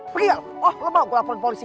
pergi ya oh lo mau gue laporan polisi